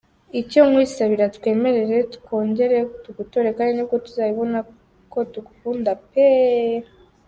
Icyo nkwisabira twemerere twongere tugutore kandi nibwo uzabibona ko tugukunda pe!!!!!!!!!!!!!!!!!!!!!!!!!!.